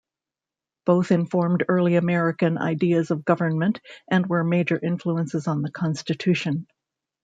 Both informed early American ideas of government and were major influences on the Constitution.